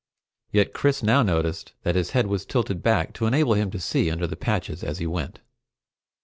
Yet Chris now noticed that his head was tilted back to enable him to see under the patches as he went.